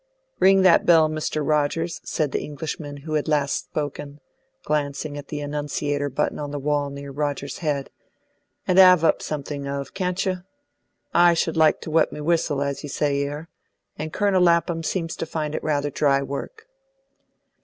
"Ring that bell, Mr. Rogers," said the Englishman who had last spoken, glancing at the annunciator button in the wall near Rogers's head, "and 'ave up something 'of, can't you? I should like TO wet me w'istle, as you say 'ere, and Colonel Lapham seems to find it rather dry work."